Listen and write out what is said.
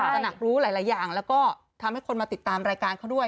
หนักรู้หลายอย่างแล้วก็ทำให้คนมาติดตามรายการเขาด้วย